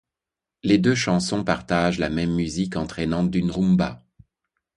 Les deux chansons partagent la même musique entrainante d'une rumba.